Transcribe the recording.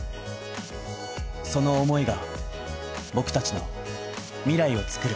その思いが僕達の未来をつくる